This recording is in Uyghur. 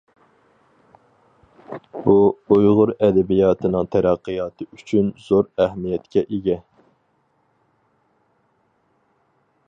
بۇ ئۇيغۇر ئەدەبىياتىنىڭ تەرەققىياتى ئۈچۈن زور ئەھمىيەتكە ئىگە.